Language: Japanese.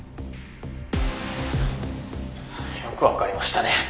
「よくわかりましたね」